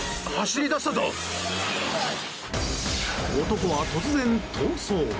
男は突然、逃走。